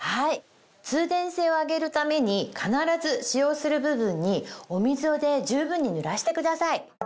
通電性を上げるために必ず使用する部分にお水で十分に濡らしてください。